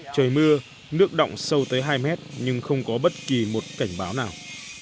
trời mưa nước động sâu tới hai mét nhưng không có bất kỳ một cảnh báo nào